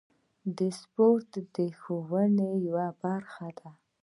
سپورت د ښوونې یوه برخه ده.